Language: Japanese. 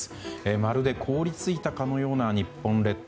まるで凍り付いたかのような日本列島。